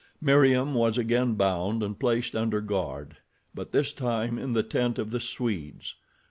Meriem was again bound and placed under guard, but this time in the tent of the Swedes.